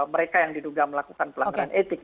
mereka yang diduga melakukan pelanggaran etik